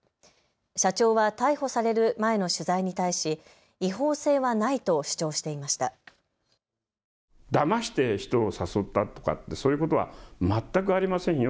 社長は逮捕される前の取材に対し違法性はないと主張していました。